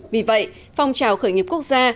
vì vậy phong trào khởi nghiệp quốc gia